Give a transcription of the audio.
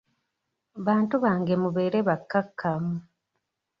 Bantu bange mubeere bakkakkamu.